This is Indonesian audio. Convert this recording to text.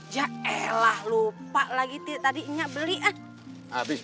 jahe lah lupa lagi tadi enggak beli habis